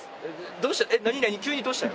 どうした？